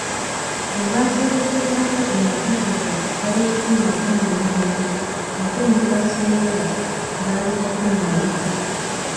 Abaasobezebwako e Nakaseke bali kikumi ataano mu omu ate e Nakasongola baali kikumi abiri.